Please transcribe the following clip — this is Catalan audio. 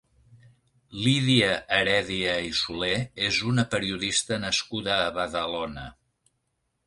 Lídia Heredia i Soler és una periodista nascuda a Badalona.